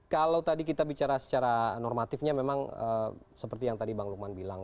kalau tadi kita bicara secara normatifnya memang seperti yang tadi bang lukman bilang